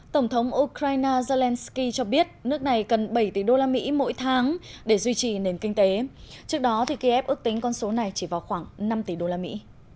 tổng thống ukraine zelensky cho biết nước này cần bảy tỷ đô la mỹ mỗi tháng để duy trì nền kinh tế trước đó kiev ước tính con số này chỉ vào khoảng năm tỷ đô la mỹ